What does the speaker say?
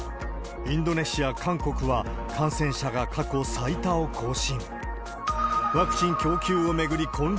インドネシア、韓国は感染者が過去最多を更新。